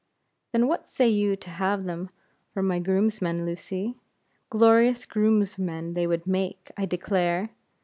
"Then what say you to have them for my groomsmen, Lucy? Glorious groomsmen they would make, I declare.